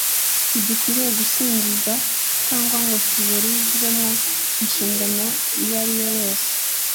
ntidukwiriye gusigingiza cyangwa ngo tuburizemo inshingano iyo ariyo yose